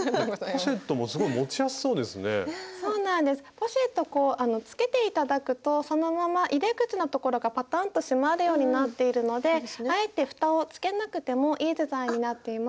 ポシェットこうつけて頂くとそのまま入れ口のところがパタンと閉まるようになっているのであえてふたをつけなくてもいいデザインになっています。